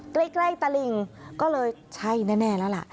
ใกล้ตะลิงก็เลยใช่แน่แล้วล่ะ